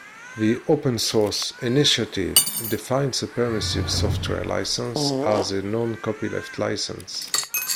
The Open Source Initiative defines a permissive software license as a "non-copyleft license".